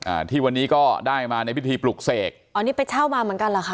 อ่าที่วันนี้ก็ได้มาในพิธีปลุกเสกอ๋อนี่ไปเช่ามาเหมือนกันเหรอคะ